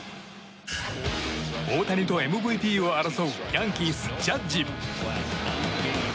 大谷とＭＶＰを争うヤンキース、ジャッジ。